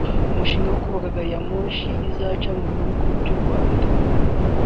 umushinga wo kuzubaka Gari ya moshi izaca mu bihugu by’u Rwanda